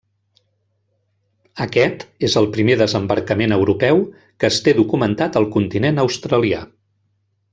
Aquest és el primer desembarcament europeu que es té documentat al continent australià.